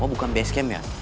oh bukan base camp ya